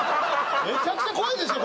めちゃくちゃ怖いですよ